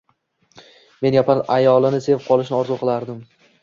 Men yapon ayolini sevib qolishni orzulardim